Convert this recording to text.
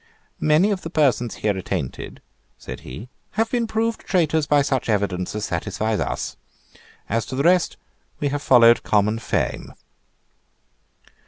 "Many of the persons here attainted," said he, "have been proved traitors by such evidence as satisfies us. As to the rest we have followed common fame."